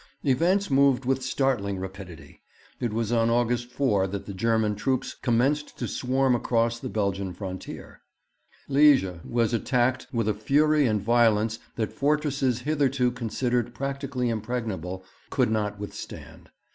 Events moved with startling rapidity. It was on August 4 that the German troops commenced to swarm across the Belgian frontier. Liège was attacked with a fury and violence that fortresses hitherto considered practically impregnable could not withstand.